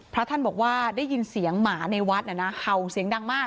พระท่านบอกว่าได้ยินเสียงหมาในวัดเห่าเสียงดังมาก